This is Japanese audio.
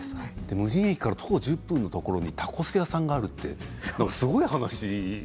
無人駅から徒歩１０分のところにタコス屋さんがあるというのもすごい話。